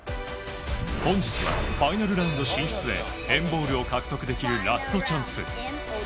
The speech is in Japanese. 本日はファイナルラウンド進出へ、＆ＢＡＬＬを獲得できるラストチャンス。